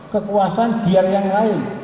kekuasaan biar yang lain